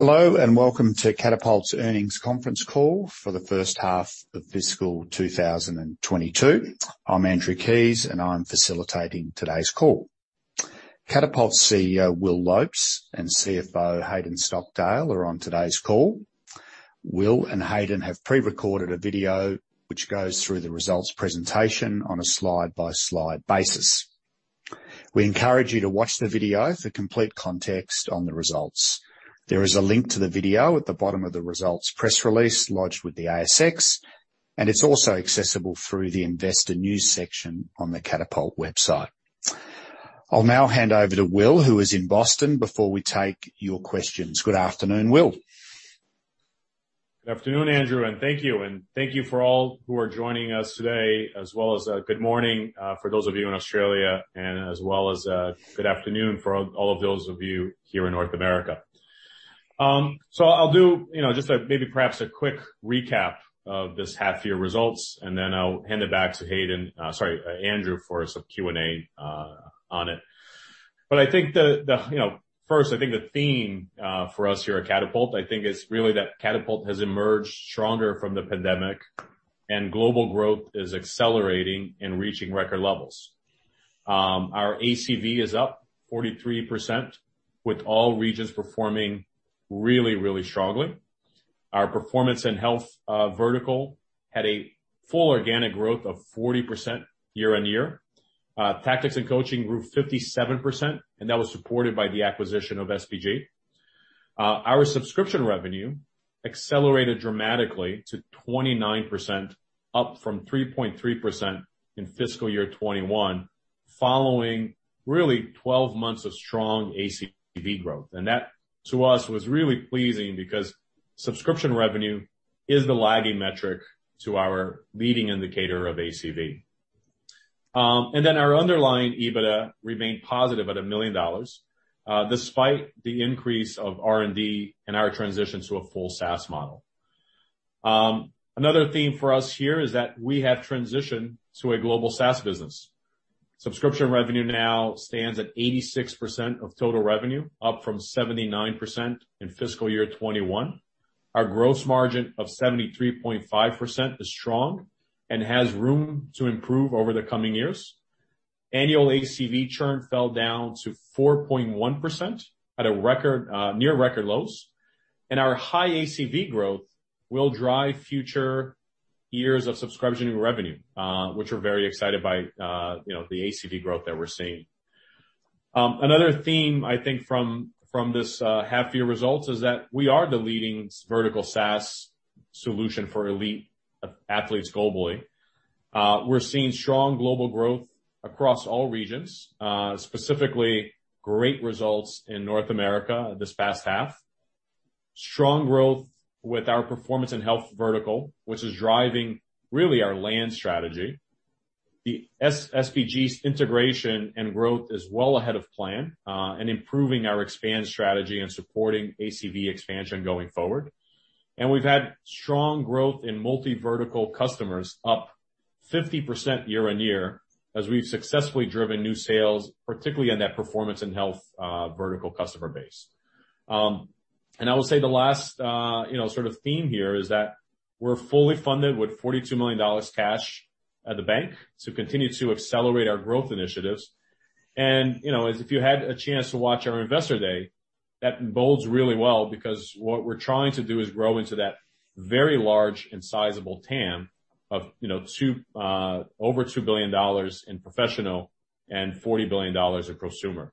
Hello, and welcome to Catapult's earnings conference call for the first half of fiscal 2022. I'm Andrew Keys, and I'm facilitating today's call. Catapult's CEO, Will Lopes, and CFO, Hayden Stockdale, are on today's call. Will and Hayden have pre-recorded a video which goes through the results presentation on a slide-by-slide basis. We encourage you to watch the video for complete context on the results. There is a link to the video at the bottom of the results press release lodged with the ASX, and it's also accessible through the investor news section on the Catapult website. I'll now hand over to Will, who is in Boston, before we take your questions. Good afternoon, Will. Good afternoon, Andrew, and thank you. Thank you for all who are joining us today, as well as, good morning, for those of you in Australia, and as well as, good afternoon for all of those of you here in North America. I'll do, you know, just a maybe perhaps a quick recap of this half-year results, and then I'll hand it back to Hayden, sorry, Andrew for some Q&A, on it. I think the, you know, first, I think the theme, for us here at Catapult, I think, is really that Catapult has emerged stronger from the pandemic and global growth is accelerating and reaching record levels. Our ACV is up 43% with all regions performing really, really strongly. Our performance and health vertical had a full organic growth of 40% year-on-year. Tactics and coaching grew 57%, and that was supported by the acquisition of SBG. Our subscription revenue accelerated dramatically to 29%, up from 3.3% in fiscal year 2021, following really 12 months of strong ACV growth. That, to us, was really pleasing because subscription revenue is the lagging metric to our leading indicator of ACV. Our underlying EBITDA remained positive at $1 million, despite the increase of R&D and our transition to a full SaaS model. Another theme for us here is that we have transitioned to a global SaaS business. Subscription revenue now stands at 86% of total revenue, up from 79% in fiscal year 2021. Our gross margin of 73.5% is strong and has room to improve over the coming years. Annual ACV churn fell down to 4.1% at a record near record lows. Our high ACV growth will drive future years of subscription revenue, which we're very excited by, the ACV growth that we're seeing. Another theme, I think, from this half-year results is that we are the leading vertical SaaS solution for elite athletes globally. We're seeing strong global growth across all regions, specifically great results in North America this past half. Strong growth with our performance and health vertical, which is driving really our land strategy. The SBG's integration and growth is well ahead of plan, and improving our expand strategy and supporting ACV expansion going forward. We've had strong growth in multi-vertical customers, up 50% year-over-year, as we've successfully driven new sales, particularly in that performance and health vertical customer base. I will say the last, you know, sort of theme here is that we're fully funded with $42 million cash at the bank to continue to accelerate our growth initiatives. You know, as if you had a chance to watch our Investor Day, that bodes really well because what we're trying to do is grow into that very large and sizable TAM of, you know, over $2 billion in professional and $40 billion in prosumer.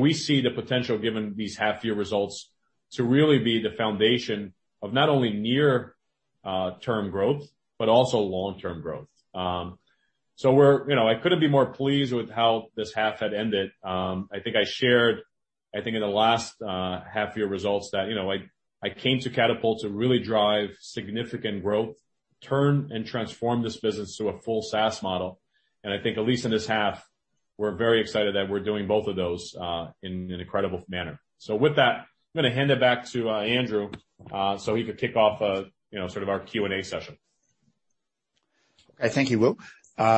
We see the potential, given these half-year results, to really be the foundation of not only near-term growth, but also long-term growth. We're, you know, I couldn't be more pleased with how this half had ended. I think I shared. I think in the last half year results that, you know, I came to Catapult to really drive significant growth, turn and transform this business to a full SaaS model. I think at least in this half, we're very excited that we're doing both of those in an incredible manner. With that, I'm gonna hand it back to Andrew so he could kick off you know, sort of our Q&A session. Okay. Thank you, Will.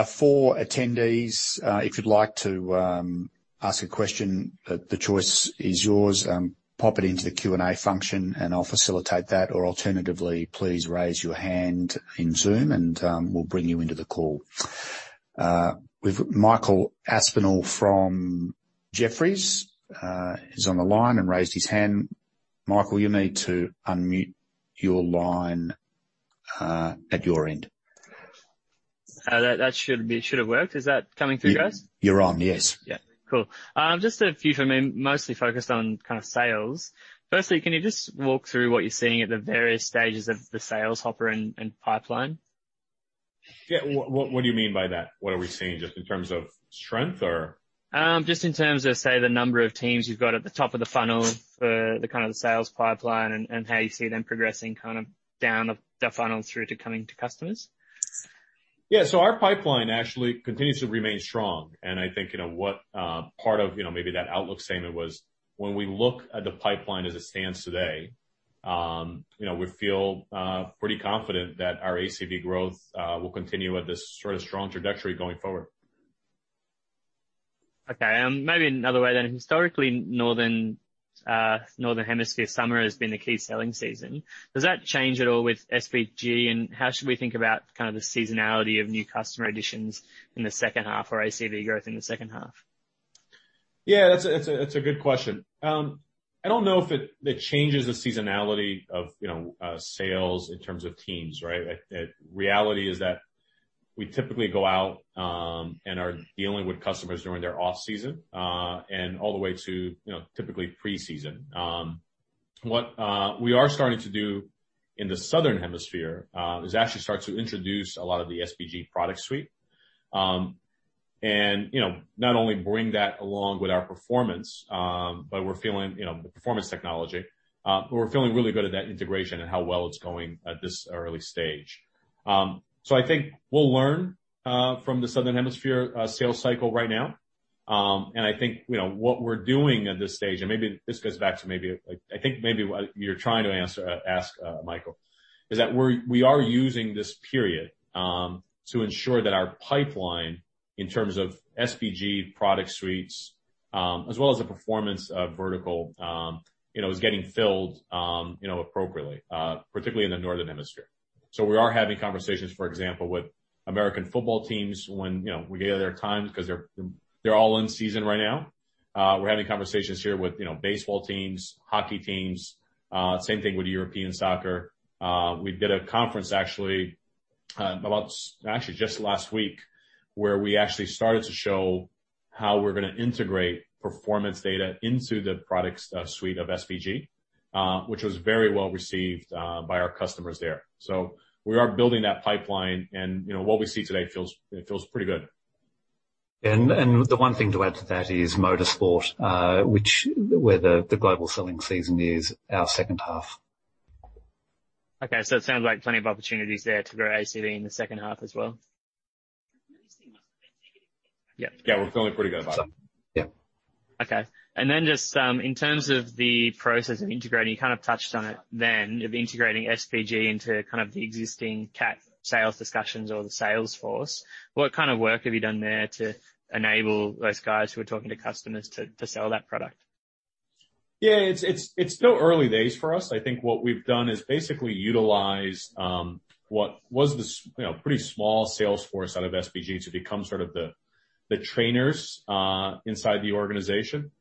For attendees, if you'd like to ask a question, the choice is yours. Pop it into the Q&A function and I'll facilitate that, or alternatively, please raise your hand in Zoom and we'll bring you into the call. We've Michael Aspinall from Jefferies is on the line and raised his hand. Michael, you need to unmute your line at your end. That should have worked. Is that coming through, guys? You're on, yes. Yeah. Cool. Just a few from me, mostly focused on kind of sales. Firstly, can you just walk through what you're seeing at the various stages of the sales hopper and pipeline? Yeah. What do you mean by that? What are we seeing? Just in terms of strength or? Just in terms of, say, the number of teams you've got at the top of the funnel for the kind of the sales pipeline and how you see them progressing kind of down the funnel through to coming to customers? Yeah. Our pipeline actually continues to remain strong. I think, you know, what part of, you know, maybe that outlook statement was when we look at the pipeline as it stands today, you know, we feel pretty confident that our ACV growth will continue at this sort of strong trajectory going forward. Okay. Maybe another way then. Historically, Northern Hemisphere summer has been the key selling season. Does that change at all with SBG? How should we think about kind of the seasonality of new customer additions in the second half or ACV growth in the second half? Yeah, that's a good question. I don't know if it changes the seasonality of, you know, sales in terms of teams, right? Reality is that we typically go out and are dealing with customers during their off-season and all the way to, you know, typically pre-season. What we are starting to do in the Southern Hemisphere is actually start to introduce a lot of the SBG product suite. And, you know, not only bring that along with our performance, but we're feeling, you know, the performance technology really good at that integration and how well it's going at this early stage. I think we'll learn from the Southern Hemisphere sales cycle right now. I think, you know, what we're doing at this stage, and maybe this goes back to maybe, like, I think maybe what you're trying to ask Michael, is that we are using this period to ensure that our pipeline, in terms of SBG product suites, as well as the performance vertical, you know, is getting filled, you know, appropriately, particularly in the Northern Hemisphere. We are having conversations, for example, with American football teams when, you know, we get their time 'cause they're all in season right now. We're having conversations here with, you know, baseball teams, hockey teams, same thing with European soccer. We did a conference actually just last week, where we actually started to show how we're gonna integrate performance data into the product suite of SBG, which was very well received by our customers there. We are building that pipeline and, you know, what we see today feels pretty good. The one thing to add to that is motorsport, where the global selling season is our second half. Okay. It sounds like plenty of opportunities there to grow ACV in the second half as well. Yeah. We're feeling pretty good about it. Yeah. Okay. Just in terms of the process of integrating, you kind of touched on it then, of integrating SBG into kind of the existing CAT sales discussions or the sales force. What kind of work have you done there to enable those guys who are talking to customers to sell that product? Yeah, it's still early days for us. I think what we've done is basically utilized you know, pretty small sales force out of SBG to become sort of the trainers inside the organization.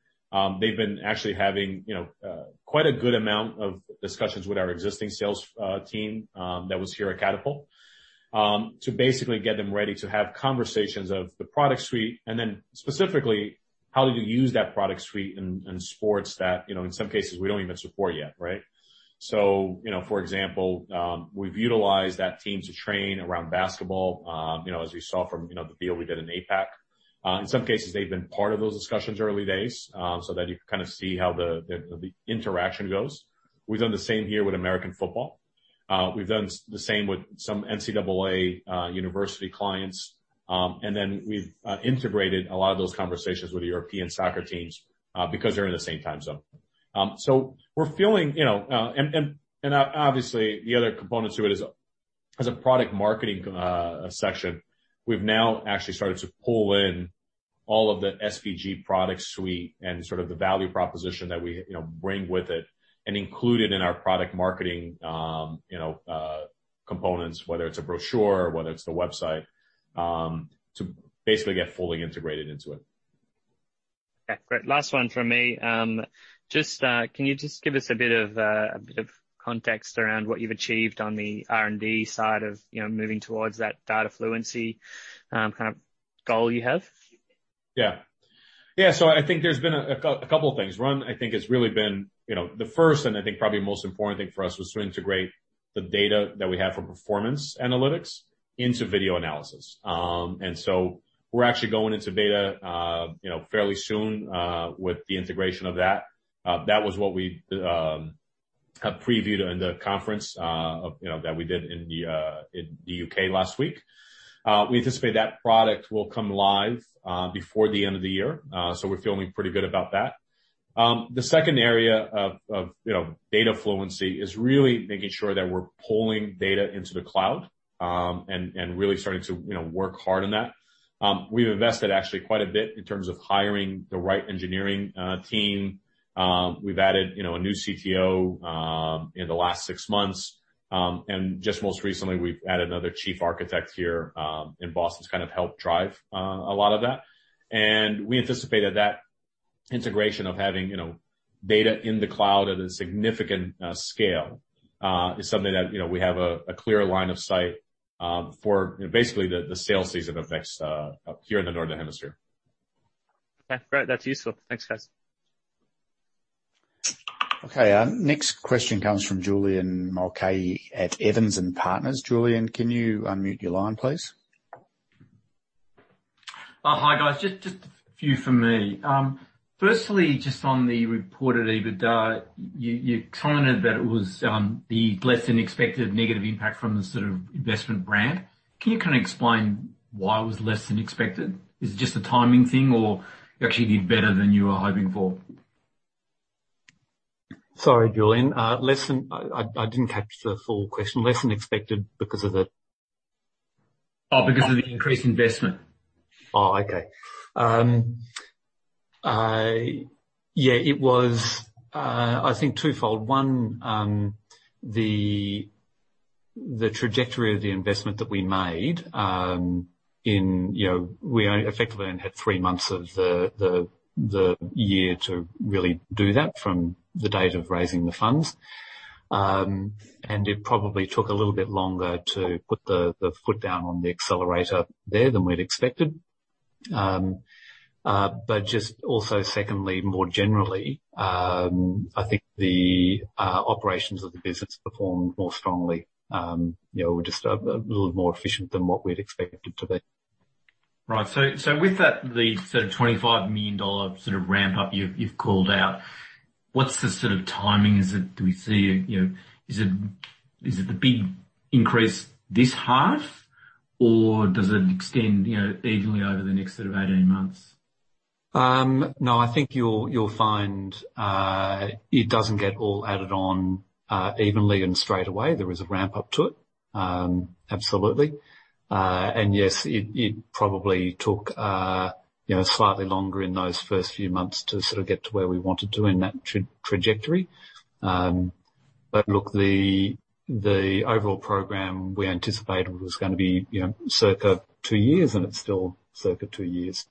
They've been actually having, you know, quite a good amount of discussions with our existing sales team that was here at Catapult to basically get them ready to have conversations of the product suite, and then specifically, how do you use that product suite in sports that, you know, in some cases we don't even support yet, right? You know, for example, we've utilized that team to train around basketball, you know, as you saw from the deal we did in APAC. In some cases, they've been part of those discussions early days, so that you can kind of see how the interaction goes. We've done the same here with American football. We've done the same with some NCAA university clients. We've integrated a lot of those conversations with the European soccer teams because they're in the same time zone. We're feeling, you know. Obviously, the other component to it is, as a product marketing section, we've now actually started to pull in all of the SBG product suite and sort of the value proposition that we, you know, bring with it and include it in our product marketing, you know, components, whether it's a brochure or whether it's the website, to basically get fully integrated into it. Okay. Great. Last one from me. Just, can you just give us a bit of context around what you've achieved on the R&D side of, you know, moving towards that data fluency kind of goal you have? Yeah, so I think there's been a couple of things. One, I think has really been, you know, the first and I think probably most important thing for us was to integrate the data that we have for performance analytics into video analysis. We're actually going into beta, you know, fairly soon, with the integration of that. That was what we had previewed in the conference, you know, that we did in the U.K. last week. We anticipate that product will come live before the end of the year, so we're feeling pretty good about that. The second area of, you know, data fluency is really making sure that we're pulling data into the cloud, and really starting to, you know, work hard on that. We've invested actually quite a bit in terms of hiring the right engineering team. We've added, you know, a new CTO in the last six months. Just most recently, we've added another chief architect here in Boston to kind of help drive a lot of that. We anticipated that integration of having, you know, data in the cloud at a significant scale is something that, you know, we have a clear line of sight for basically the sales season effects here in the Northern Hemisphere. Okay. Great. That's useful. Thanks, guys. Okay, next question comes from Julian Mulcahy at Evans & Partners. Julian, can you unmute your line, please? Hi, guys. Just a few from me. Firstly, just on the reported EBITDA, you commented that it was the less than expected negative impact from the sort of investment brand. Can you kinda explain why it was less than expected? Is it just a timing thing or you actually did better than you were hoping for? Sorry, Julian, I didn't catch the full question. Less than expected because of the? Oh, because of the increased investment. Oh, okay. Yeah, it was, I think twofold. One, the trajectory of the investment that we made, you know, we effectively only had three months of the year to really do that from the date of raising the funds. It probably took a little bit longer to put the foot down on the accelerator there than we'd expected. Just also secondly, more generally, I think the operations of the business performed more strongly, you know, were just a little more efficient than what we'd expected to be. With that, the sort of $25 million sort of ramp-up you've called out, what's the sort of timing? Is it the big increase this half, or does it extend, you know, evenly over the next sort of 18 months? No, I think you'll find it doesn't get all added on evenly and straight away. There is a ramp-up to it. Absolutely. Yes, it probably took, you know, slightly longer in those first few months to sort of get to where we wanted to in that trajectory. Look, the overall program we anticipated was gonna be, you know, circa two years, and it's still circa two years.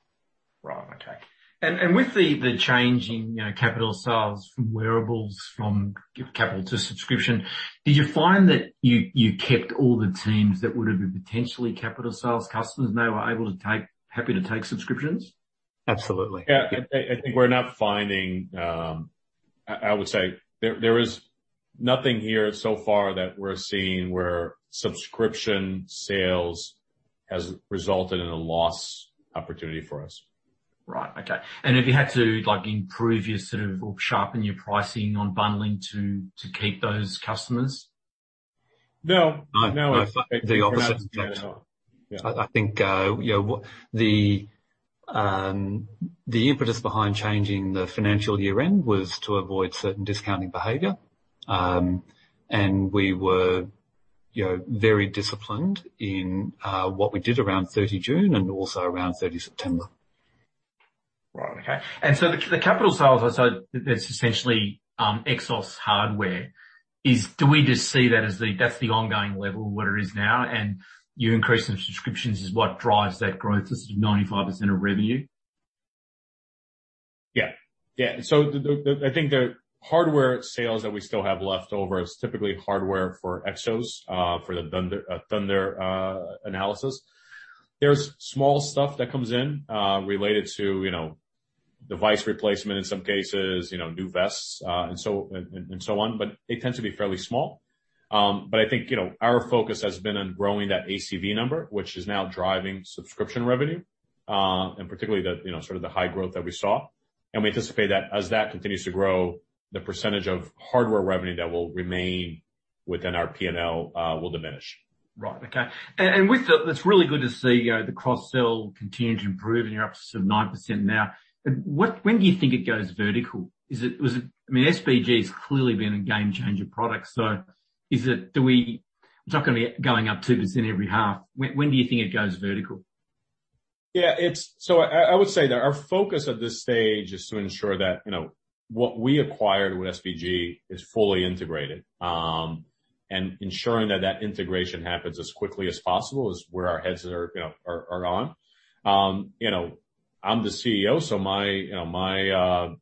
Right. Okay. With the change in, you know, capital sales from wearables from capital to subscription, did you find that you kept all the teams that would have been potentially capital sales customers, and they were happy to take subscriptions? Absolutely. Yeah, I would say there is nothing here so far that we're seeing where subscription sales has resulted in a lost opportunity for us. Right. Okay. Have you had to, like, improve your sort of, or sharpen your pricing on bundling to keep those customers? No. No. In fact, the opposite. No. I think, you know, the impetus behind changing the financial year-end was to avoid certain discounting behavior. We were, you know, very disciplined in what we did around 30 June and also around 30 September. Right. Okay. The capital sales, so it's essentially XOS hardware. Do we just see that as that's the ongoing level of what it is now, and you increasing subscriptions is what drives that growth that's 95% of revenue? Yeah. Yeah. I think the hardware sales that we still have left over is typically hardware for XOS for the Thunder analysis. There's small stuff that comes in related to you know device replacement in some cases you know new vests and so on but they tend to be fairly small. I think you know our focus has been on growing that ACV number which is now driving subscription revenue and particularly the you know sort of the high growth that we saw. We anticipate that as that continues to grow the percentage of hardware revenue that will remain within our P&L will diminish. Right. Okay. It's really good to see, you know, the cross-sell continue to improve, and you're up to sort of 9% now. When do you think it goes vertical? I mean, SBG's clearly been a game-changer product. It's not gonna be going up 2% every half. When do you think it goes vertical? Yeah. It's I would say that our focus at this stage is to ensure that, you know, what we acquired with SBG is fully integrated. Ensuring that that integration happens as quickly as possible is where our heads are, you know, are on. You know, I'm the CEO, so my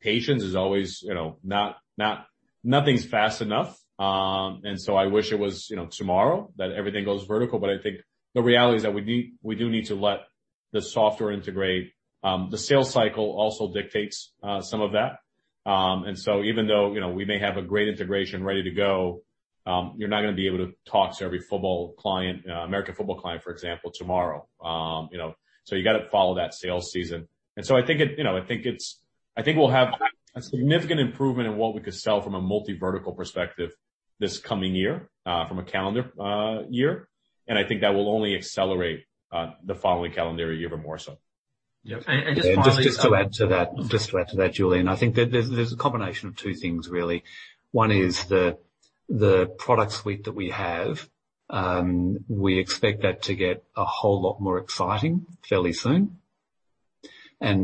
patience is always, you know, not Nothing's fast enough. I wish it was, you know, tomorrow that everything goes vertical. I think the reality is that we need to let the software integrate. The sales cycle also dictates some of that. Even though, you know, we may have a great integration ready to go, you're not gonna be able to talk to every football client, American football client, for example, tomorrow. You know, you gotta follow that sales season. I think we'll have a significant improvement in what we could sell from a multi-vertical perspective this coming year, from a calendar year, and I think that will only accelerate the following calendar year even more so. Yeah. Just finally- Just to add to that, Julian, I think there's a combination of two things really. One is the product suite that we have, we expect that to get a whole lot more exciting fairly soon.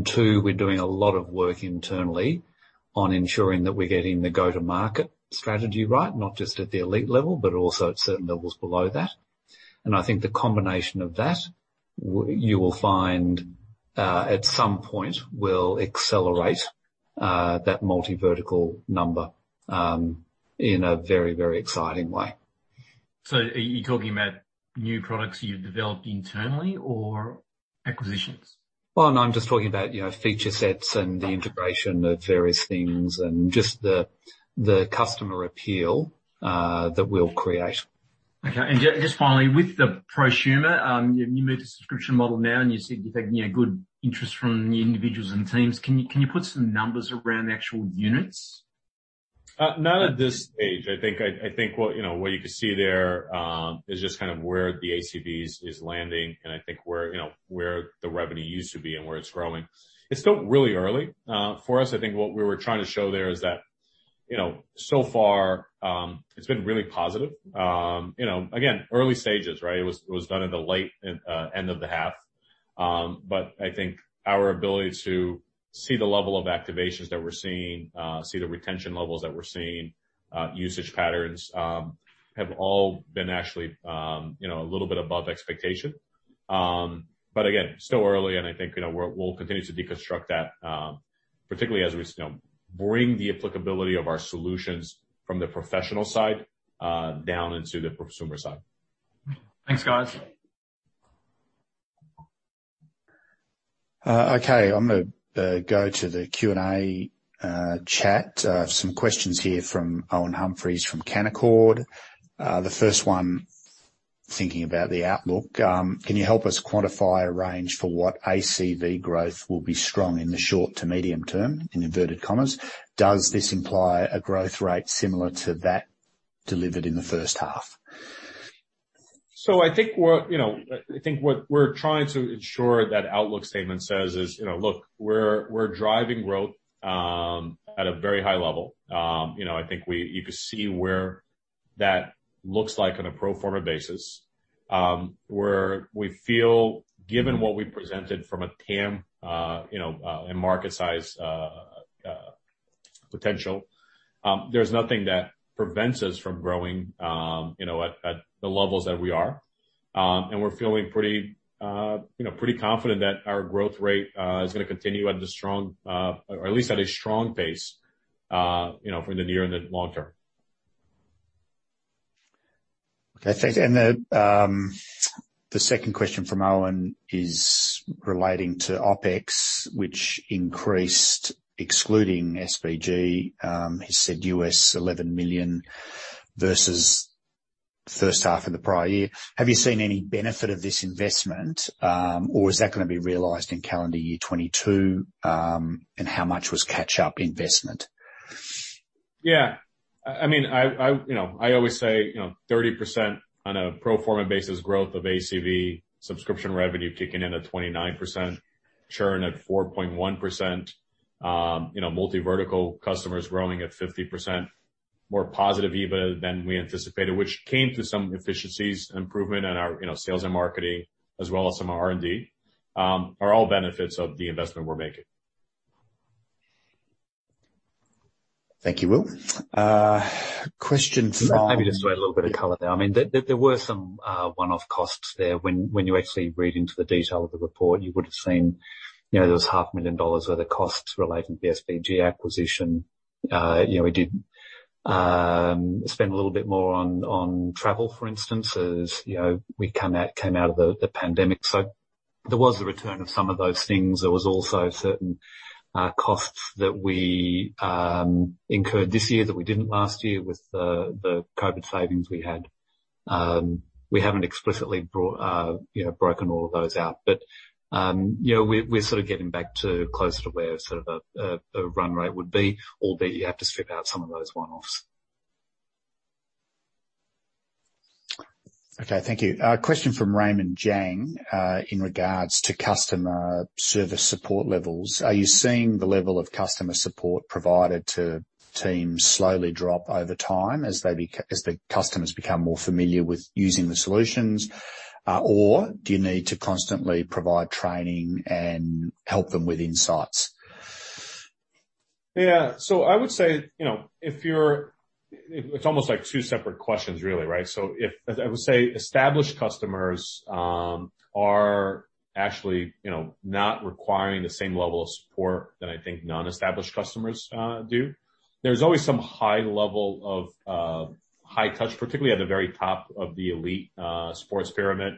Two, we're doing a lot of work internally on ensuring that we're getting the go-to-market strategy right, not just at the elite level, but also at certain levels below that. I think the combination of that you will find at some point will accelerate that multi-vertical number in a very exciting way. Are you talking about new products you've developed internally or acquisitions? Well, no, I'm just talking about, you know, feature sets and the integration of various things and just the customer appeal that we'll create. Okay. Just finally, with the prosumer, you moved to subscription model now, and you said you're getting a good interest from new individuals and teams. Can you put some numbers around the actual units? Not at this stage. I think what you could see there is just kind of where the ACVs is landing, and I think where you know where the revenue used to be and where it's growing. It's still really early for us. I think what we were trying to show there is that you know so far it's been really positive. You know, again, early stages, right? It was done in the late end of the half. But I think our ability to see the level of activations that we're seeing, see the retention levels that we're seeing, usage patterns, have all been actually you know a little bit above expectation. Again, still early, and I think, you know, we'll continue to deconstruct that, particularly as we, you know, bring the applicability of our solutions from the professional side down into the prosumer side. Thanks, guys. Okay. I'm gonna go to the Q&A chat. Some questions here from Owen Humphries from Canaccord. The first one, thinking about the outlook, can you help us quantify a range for what ACV growth will be strong in the short to medium term, in inverted commas? Does this imply a growth rate similar to that delivered in the first half? I think what we're trying to ensure that outlook statement says is, you know, look, we're driving growth at a very high level. You could see where that looks like on a pro forma basis, where we feel, given what we presented from a TAM, a market size potential, there's nothing that prevents us from growing at the levels that we are. We're feeling pretty confident that our growth rate is gonna continue at a strong or at least at a strong pace for the near and the long term. Okay. Thanks. The second question from Owen is relating to OpEx, which increased excluding SBG, he said $11 million, versus first half of the prior year. Have you seen any benefit of this investment, or is that gonna be realized in calendar year 2022, and how much was catch-up investment? Yeah. I mean, you know, I always say, you know, 30% on a pro forma basis growth of ACV subscription revenue kicking in at 29%, churn at 4.1%, you know, multi-vertical customers growing at 50%, more positive EBITDA than we anticipated, which came through some efficiencies improvement on our, you know, sales and marketing as well as some R&D, are all benefits of the investment we're making. Thank you, Will. Question from- Maybe just to add a little bit of color there. I mean, there were some one-off costs there. When you actually read into the detail of the report, you would have seen, you know, those half million worth of costs relating to the SBG acquisition. You know, we did spend a little bit more on travel, for instance, as you know, we came out of the pandemic. There was the return of some of those things. There was also certain costs that we incurred this year that we didn't last year with the COVID savings we had. We haven't explicitly broken all of those out. You know, we're sort of getting back to closer to where sort of a run rate would be, albeit you have to strip out some of those one-offs. Okay, thank you. A question from Raymond Jang in regards to customer service support levels. Are you seeing the level of customer support provided to teams slowly drop over time as the customers become more familiar with using the solutions? Do you need to constantly provide training and help them with insights? It's almost like two separate questions, really, right? Established customers are actually, you know, not requiring the same level of support that I think non-established customers do. There's always some high level of high touch, particularly at the very top of the elite sports pyramid,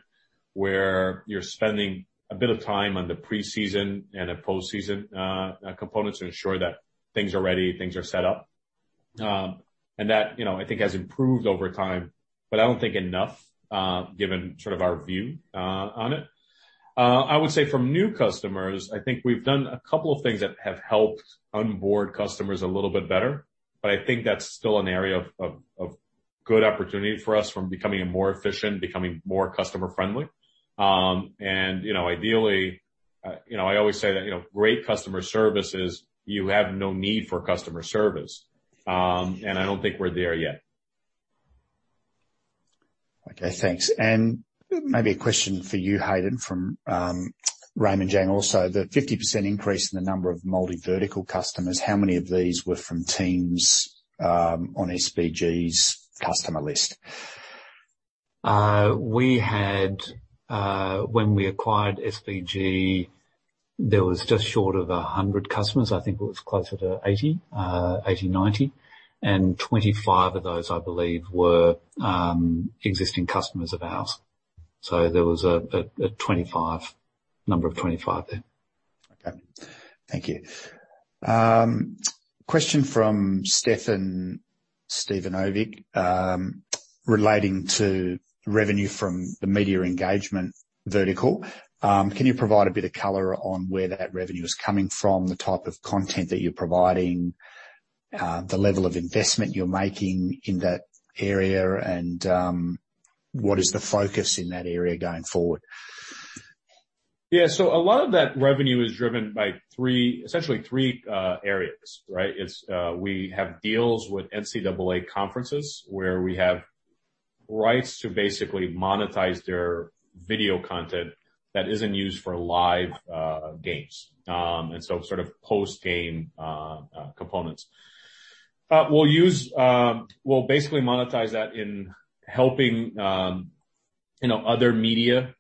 where you're spending a bit of time on the preseason and the postseason components to ensure that things are ready, things are set up. That, you know, I think has improved over time, but I don't think enough, given sort of our view on it. I would say from new customers, I think we've done a couple of things that have helped onboard customers a little bit better, but I think that's still an area of good opportunity for us from becoming more efficient, becoming more customer-friendly. You know, ideally, you know, I always say that, you know, great customer service is you have no need for customer service. I don't think we're there yet. Okay, thanks. Maybe a question for you, Hayden, from Raymond Jang also. The 50% increase in the number of multi-vertical customers, how many of these were from teams on SBG's customer list? When we acquired SBG, there was just short of 100 customers. I think it was closer to 80-90. 25 of those, I believe, were existing customers of ours. There was a number of 25 there. Okay. Thank you. Question from Stefan Stevanovic relating to revenue from the media engagement vertical, can you provide a bit of color on where that revenue is coming from, the type of content that you're providing, the level of investment you're making in that area, and what is the focus in that area going forward? Yeah. A lot of that revenue is driven by three areas, right? It's, we have deals with NCAA conferences where we have rights to basically monetize their video content that isn't used for live games, and so sort of post-game components. We'll basically monetize that in helping, you know, other media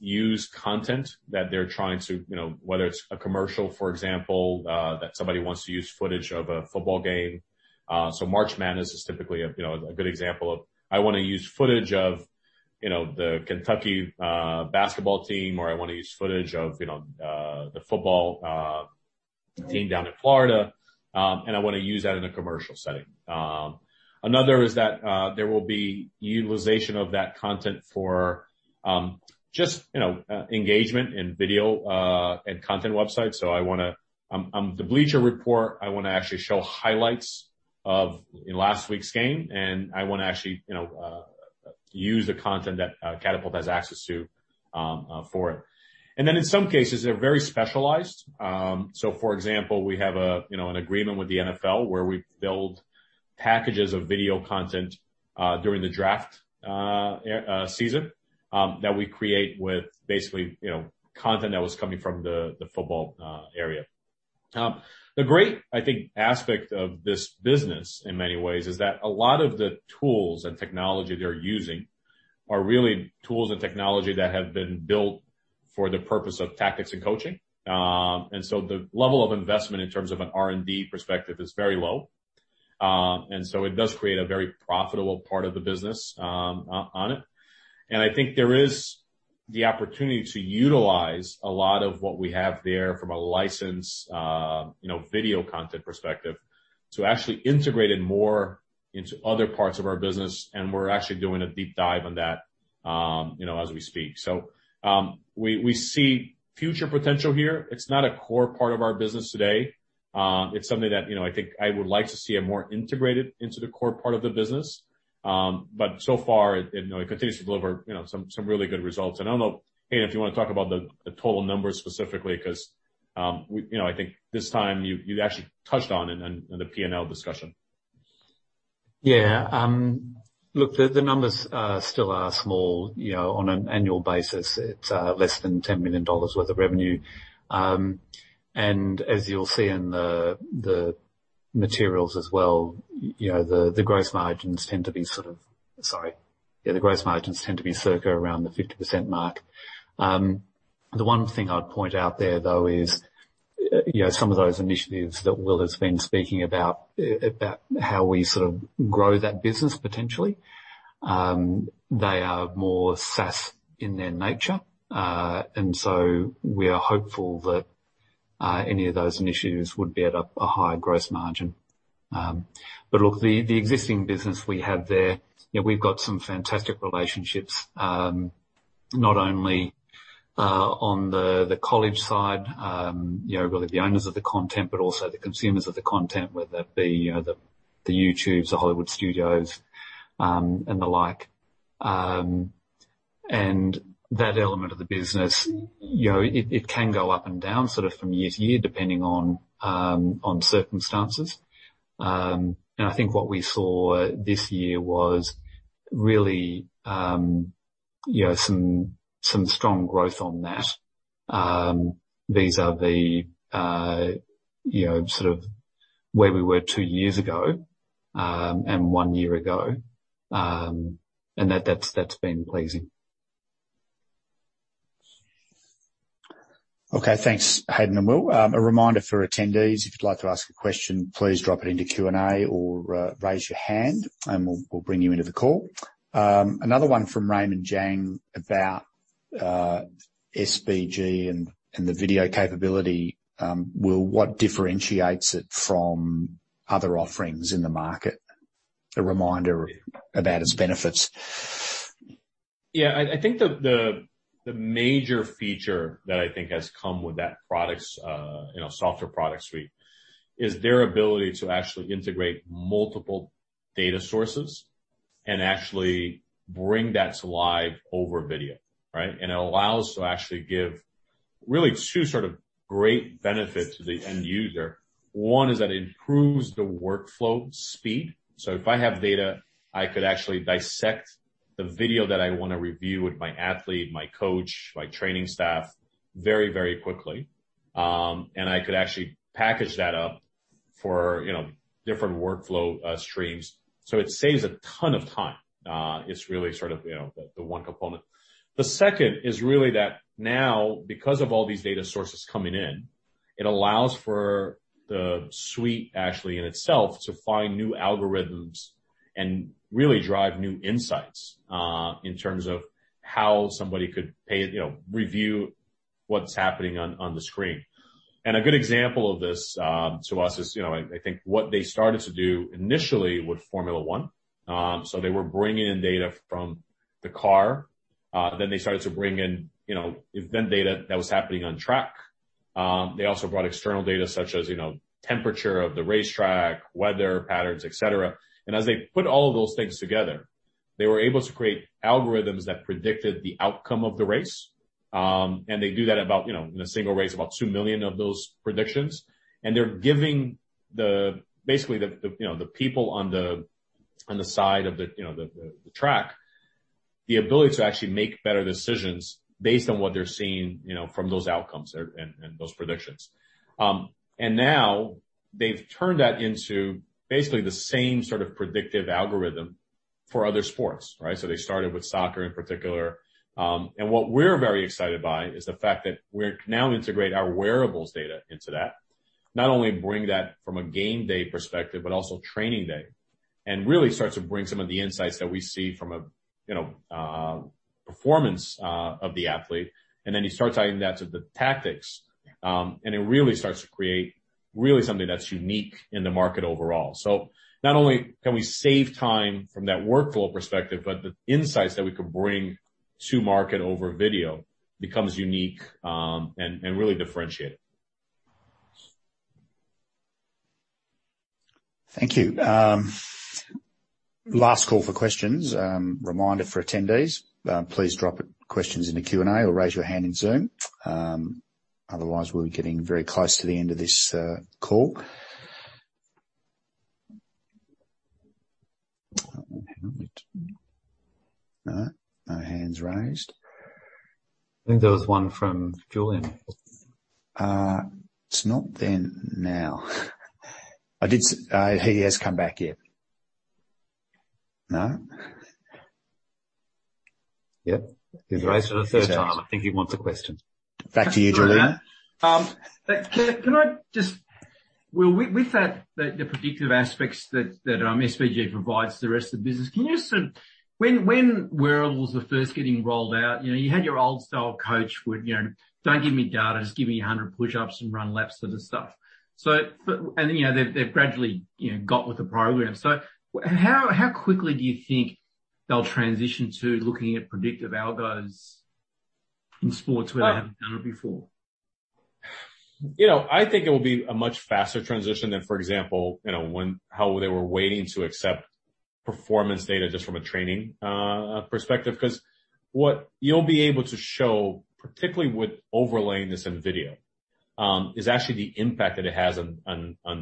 use content that they're trying to, you know, whether it's a commercial, for example, that somebody wants to use footage of a football game. March Madness is typically a, you know, a good example of, I wanna use footage of, you know, the Kentucky basketball team, or I wanna use footage of, you know, the football team down in Florida, and I wanna use that in a commercial setting. Another is that there will be utilization of that content for just, you know, engagement and video and content websites. The Bleacher Report, I wanna actually show highlights of last week's game, and I wanna actually, you know, use the content that Catapult has access to for it. In some cases, they're very specialized. For example, we have, you know, an agreement with the NFL where we build packages of video content during the draft season that we create with basically, you know, content that was coming from the football area. The great aspect, I think, of this business in many ways is that a lot of the tools and technology they're using are really tools and technology that have been built for the purpose of tactics and coaching. The level of investment in terms of an R&D perspective is very low. It does create a very profitable part of the business, on it. I think there is the opportunity to utilize a lot of what we have there from a license, you know, video content perspective, to actually integrate it more into other parts of our business, and we're actually doing a deep dive on that, you know, as we speak. We see future potential here. It's not a core part of our business today. It's something that, you know, I think I would like to see it more integrated into the core part of the business. So far it continues to deliver, you know, some really good results. I don't know, Hayden, if you wanna talk about the total numbers specifically 'cause we, you know, I think this time you actually touched on it in the P&L discussion. Yeah. Look, the numbers are still small, you know, on an annual basis. It's less than $10 million worth of revenue. And as you'll see in the materials as well, you know, the gross margins tend to be circa around the 50% mark. The one thing I'd point out there, though, is you know, some of those initiatives that Will has been speaking about how we sort of grow that business potentially, they are more SaaS in their nature. And so we are hopeful that any of those initiatives would be at a higher gross margin. Look, the existing business we have there, you know, we've got some fantastic relationships, not only on the college side, you know, really the owners of the content, but also the consumers of the content, whether that be, you know, the YouTubes, the Hollywood studios, and the like. That element of the business, you know, it can go up and down sort of from year to year, depending on circumstances. I think what we saw this year was really, you know, some strong growth on that. These are sort of where we were two years ago, and one year ago, and that's been pleasing. Okay. Thanks, Hayden and Will. A reminder for attendees, if you'd like to ask a question, please drop it into Q&A or raise your hand, and we'll bring you into the call. Another one from Raymond Jang about SBG and the video capability. Will, what differentiates it from other offerings in the market? A reminder about its benefits. Yeah. I think the major feature that I think has come with that products, you know, software product suite, is their ability to actually integrate multiple data sources and actually bring that to life over video, right? It allows to actually give really two sort of great benefit to the end user. One is that it improves the workflow speed. If I have data, I could actually dissect the video that I wanna review with my athlete, my coach, my training staff very, very quickly. I could actually package that up for, you know, different workflow streams, so it saves a ton of time. It's really sort of, you know, the one component. The second is really that now because of all these data sources coming in, it allows for the suite actually in itself to find new algorithms and really drive new insights in terms of how somebody could play, you know, review what's happening on the screen. A good example of this to us is, I think what they started to do initially with Formula One. They were bringing in data from the car, then they started to bring in, you know, event data that was happening on track. They also brought external data such as, you know, temperature of the racetrack, weather patterns, et cetera. As they put all of those things together, they were able to create algorithms that predicted the outcome of the race. They do that about, you know, in a single race, about 2 million of those predictions. They're giving basically the, you know, the people on the side of the track the ability to actually make better decisions based on what they're seeing, you know, from those outcomes or and those predictions. Now they've turned that into basically the same sort of predictive algorithm for other sports, right? They started with soccer in particular. What we're very excited by is the fact that we now integrate our wearables data into that. Not only bring that from a game day perspective, but also training day, and really start to bring some of the insights that we see from a, you know, performance of the athlete. You start tying that to the tactics, and it really starts to create really something that's unique in the market overall. Not only can we save time from that workflow perspective, but the insights that we can bring to market over video becomes unique, and really differentiated. Thank you. Last call for questions. Reminder for attendees, please drop questions in the Q&A or raise your hand in Zoom. Otherwise, we're getting very close to the end of this call. One moment. No. No hands raised. I think there was one from Julian. It's not there now. He has come back in. No? Yep. He's raised it a third time. I think he wants a question. Back to you, Julian. Can I just, Will, with that, the predictive aspects that SBG provides the rest of the business, can you just. When wearables were first getting rolled out, you know, you had your old-style coach would, you know, "Don't give me data, just give me 100 pushups and run laps," sort of stuff, you know, they've gradually got with the program. How quickly do you think they'll transition to looking at predictive algos in sports where they haven't done it before? You know, I think it will be a much faster transition than, for example, you know, how they were waiting to accept performance data just from a training perspective. 'Cause what you'll be able to show, particularly with overlaying this in video, is actually the impact that it has on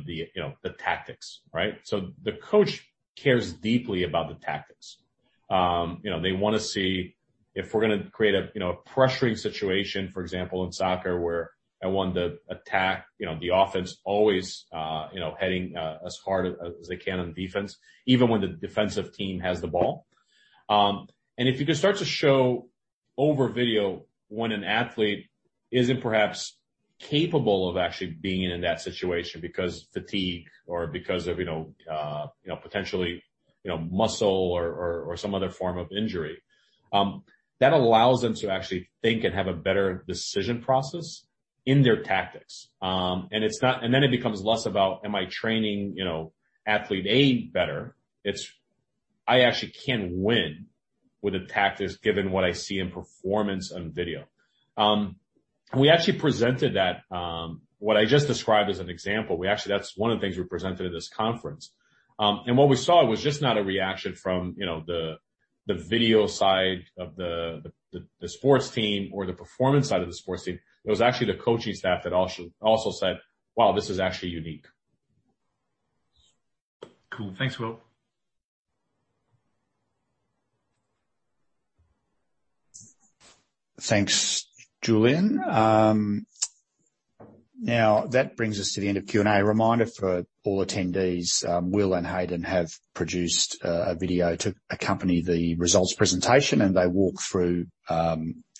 the, you know, the tactics, right? The coach cares deeply about the tactics. They wanna see if we're gonna create a, you know, a pressuring situation, for example, in soccer, where I want the attack, you know, the offense always you know heading as hard as they can on defense, even when the defensive team has the ball. If you can start to show over video when an athlete isn't perhaps capable of actually being in that situation because fatigue or because of, you know, you know, potentially, you know, muscle or some other form of injury, that allows them to actually think and have a better decision process in their tactics. It's not. Then it becomes less about, am I training, you know, athlete A better? It's, I actually can win with the tactics given what I see in performance on video. We actually presented that, what I just described as an example. That's one of the things we presented at this conference. What we saw was just not a reaction from, you know, the video side of the sports team or the performance side of the sports team, it was actually the coaching staff that also said, "Wow, this is actually unique". Cool. Thanks, Will. Thanks, Julian. Now that brings us to the end of Q&A. Reminder for all attendees, Will and Hayden have produced a video to accompany the results presentation, and they walk through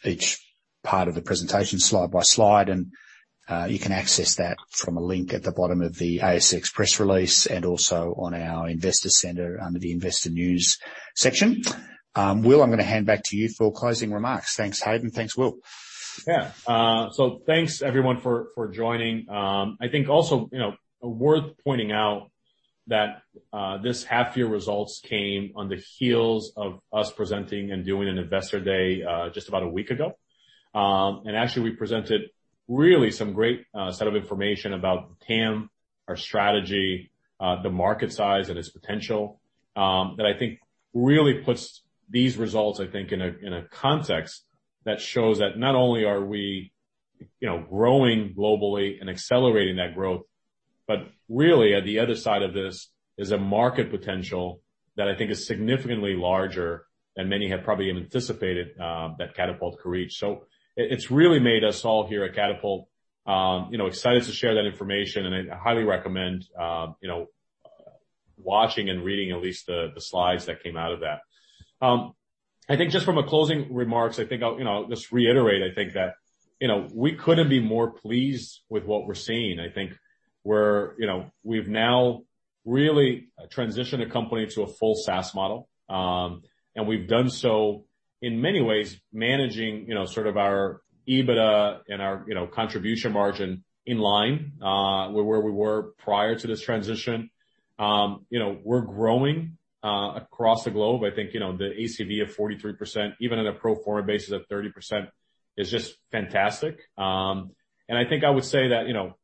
each part of the presentation slide by slide. You can access that from a link at the bottom of the ASX press release, and also on our investor center under the investor news section. Will, I'm gonna hand back to you for closing remarks. Thanks, Hayden. Thanks, Will. Yeah. Thanks everyone for joining. I think also, you know, worth pointing out that this half-year results came on the heels of us presenting and doing an investor day just about a week ago. Actually, we presented really some great set of information about TAM, our strategy, the market size and its potential that I think really puts these results, I think, in a context that shows that not only are we, you know, growing globally and accelerating that growth, but really at the other side of this is a market potential that I think is significantly larger than many had probably even anticipated that Catapult could reach. It's really made us all here at Catapult, you know, excited to share that information, and I highly recommend, you know, watching and reading at least the slides that came out of that. I think just from a closing remarks, I think I'll, you know, just reiterate, I think that, you know, we couldn't be more pleased with what we're seeing. I think we're, you know, we've now really transitioned the company to a full SaaS model, and we've done so in many ways, managing, you know, sort of our EBITDA and our, you know, contribution margin in line, where we were prior to this transition. You know, we're growing across the globe. I think, you know, the ACV of 43%, even on a pro forma basis at 30% is just fantastic. I think I would say that, you know,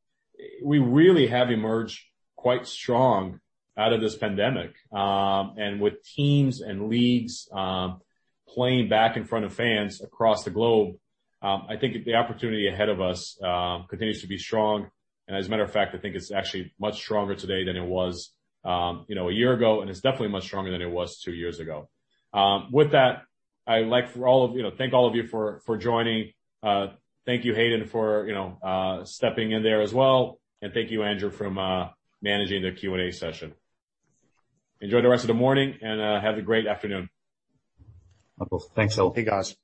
we really have emerged quite strong out of this pandemic. With teams and leagues playing back in front of fans across the globe, I think the opportunity ahead of us continues to be strong. As a matter of fact, I think it's actually much stronger today than it was, you know, a year ago, and it's definitely much stronger than it was two years ago. With that, I'd like to thank all of you for joining. Thank you, Hayden, for, you know, stepping in there as well. Thank you, Andrew, for managing the Q&A session. Enjoy the rest of the morning, and have a great afternoon. Awesome. Thanks, all. Thanks, guys.